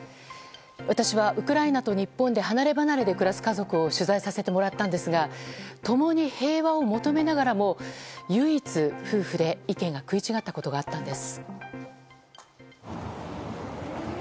私はウクライナと日本で離ればなれで暮らす家族を取材させてもらったんですが共に平和を求めながら唯一、夫婦で意見が食い違ったことがあったんです。